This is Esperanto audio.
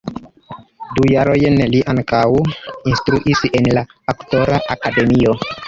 Du jarojn li ankaŭ instruis en la aktora akademio.